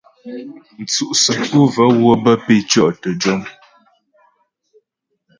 Mtsʉ' səku və́ wə́ bə́ pé dzʉtyɔ' təjɔm.